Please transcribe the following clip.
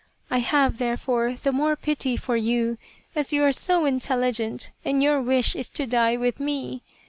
I have, therefore, the more pity for you as you are so intelligent and your wish is to die with me.